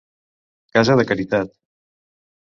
Casa de caritat.